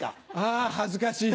あ恥ずかしい。